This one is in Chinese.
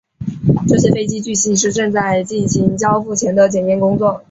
这些飞机据信是正在进行交付前的检验工作。